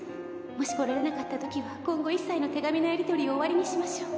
「もし来られなかったときは今後一切の手紙のやりとりを終わりにしましょう」